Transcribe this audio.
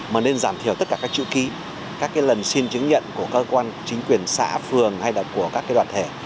mà nên giảm thiểu tất cả các chữ ký các cái lần xin chứng nhận của cơ quan chính quyền xã phường hay là của các cái đoàn thể